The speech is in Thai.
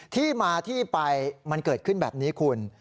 ที่มาที่ไปมันเกิดขึ้นแบบนี้คุณ